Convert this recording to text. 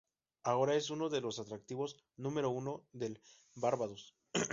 Ahora es uno de los atractivos "número uno" de Barbados.